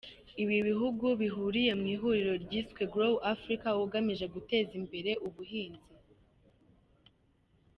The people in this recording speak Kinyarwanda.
ibi bihugu bihuriye mu ihuriro ryiswe Grow Africa ugamije guteza imbere ubuhinzi.